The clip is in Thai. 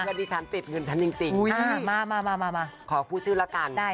เดี๋ยวดิฉันติดเงินทันจริงจริงอ่ามามาขอพูดชื่อละกันได้